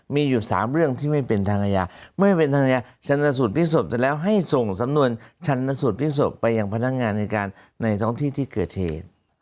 มีอยู่๓เรื่องที่ไม่เป็นทางอาญาเมื่อเป็นทางชนสูตรพลิกศพเสร็จแล้วให้ส่งสำนวนชันสูตรพลิกศพไปยังพนักงานในการในท้องที่ที่เกิดเหตุ